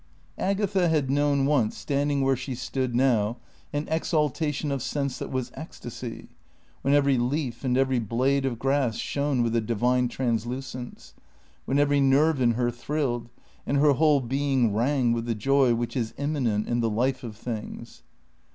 Agatha had known once, standing where she stood now, an exaltation of sense that was ecstasy; when every leaf and every blade of grass shone with a divine translucence; when every nerve in her thrilled, and her whole being rang with the joy which is immanent in the life of things.